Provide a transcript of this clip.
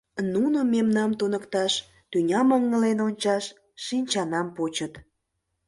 Нуно мемнам туныкташ тӱням ыҥлен ончаш шинчанам почыт.